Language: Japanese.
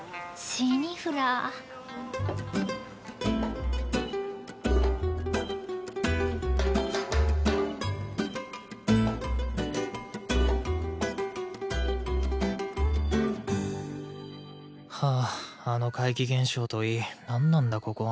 ジントーヨーはぁあの怪奇現象といい何なんだここは。